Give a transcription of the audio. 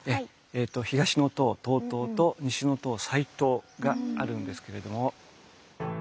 東の塔東塔と西の塔西塔があるんですけれども。